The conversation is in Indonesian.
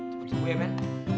cepet sembuh ya ben